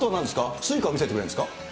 Ｓｕｉｃａ見せてくれるんですか。